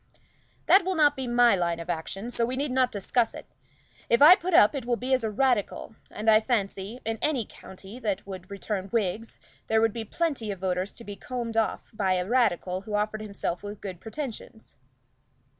"That will not be my line of action, so we need not discuss it. If I put up it will be as a Radical; and I fancy, in any county that would return Whigs there would be plenty of voters to be combed off by a Radical who offered himself with good pretensions."